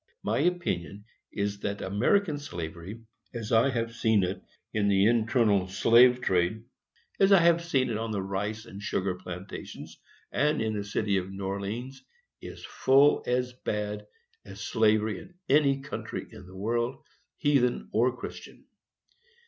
My opinion is that American slavery, as I have seen it in the internal slave trade, as I have seen it on the rice and sugar plantations, and in the city of New Orleans, is full as bad as slavery in any country of the world, heathen or Christian.